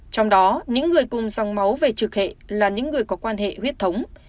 trong đó những người cùng dòng máu về trực hệ là những người có quan hệ huyết thống